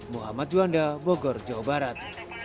muhammad juanda bogor jawa barat